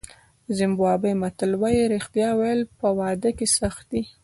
د زیمبابوې متل وایي رښتیا ویل په واده کې سخت دي.